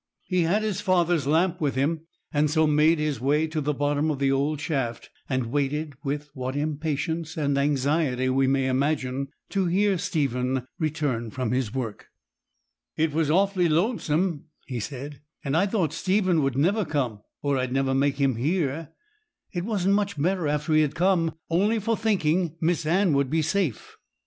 He had his father's lamp with him, and so made his way to the bottom of the old shaft, and waited, with what impatience and anxiety we may imagine, to hear Stephen return from his work. 'It was awfully lonesome,' he said, 'and I thought Stephen would never come, or I'd never make him hear. It wasn't much better after he had come, only for thinking Miss Anne would be safe.